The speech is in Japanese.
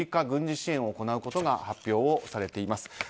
軍事支援を行うことが発表されています。